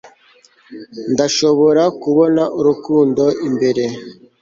ndashobora kubona urukundo imbere